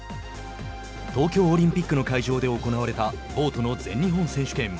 東京オリンピックの会場で行われたボートの全日本選手権。